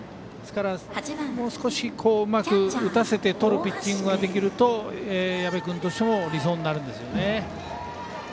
もう少し、うまく打たせてとるピッチングができると矢部君としても理想になるんですね。